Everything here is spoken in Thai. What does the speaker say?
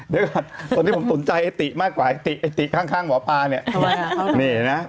เดี๋ยวก่อนตอนนี้ผมตื่นใจไอ้ติกมากกว่าไอ้ติกข้างหมอป่าเนี่ย